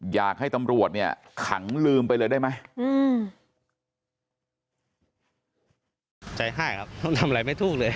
อยากให้ตำรวจเนี่ยขังลืมไปเลยได้ไหม